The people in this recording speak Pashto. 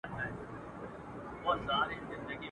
مرغه نه سي څوک یوازي په هګیو.